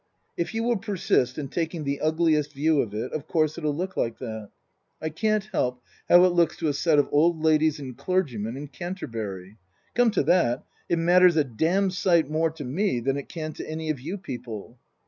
" If you will persist in taking the ugliest view of it, of course it'll look like that. I can't help how it looks to a set of old ladies and clergymen in Canterbury. Come to that, it matters a damned sight more to me than it can to any of you people."